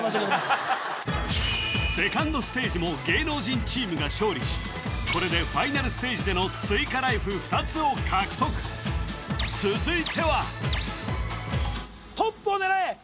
セカンドステージも芸能人チームが勝利しこれでファイナルステージでの追加ライフ２つを獲得続いてはトップを狙え！